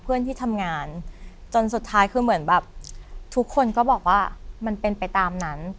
เพื่อนที่ทำงานจนสุดท้ายคือเหมือนแบบทุกคนก็บอกว่ามันเป็นไปตามนั้น